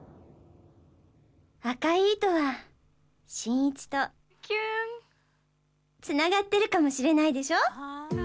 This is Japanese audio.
「赤い糸は新一とつながってるかもしれないでしょ」